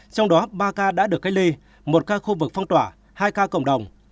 trong đó ba ca đã được cách ly một ca khu vực phong tỏa hai ca cộng đồng